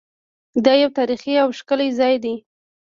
دا یو تاریخي او ښکلی ځای دی.